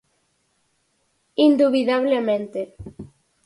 Indubidablemente.